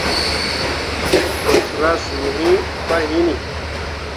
Ɗukra suu iŋ pah hinni.